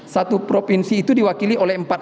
satu provinsi itu diwakili oleh empat